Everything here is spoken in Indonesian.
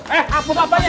eh hapus bapaknya